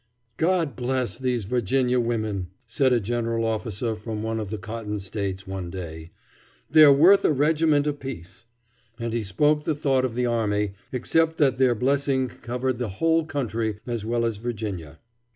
"God bless these Virginia women!" said a general officer from one of the cotton States, one day, "they're worth a regiment apiece;" and he spoke the thought of the army, except that their blessing covered the whole country as well as Virginia.